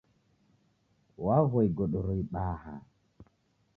Waghua igodoro ibaha.